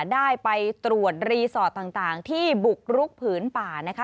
ได้ไปตรวจรีสอร์ทต่างที่บุกรุกผืนป่านะคะ